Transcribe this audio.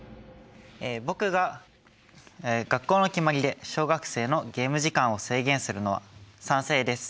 僕が学校の決まりで小学生のゲーム時間を制限するのは賛成です。